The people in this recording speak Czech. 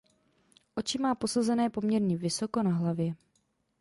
Oči má posazené poměrně vysoko na hlavě.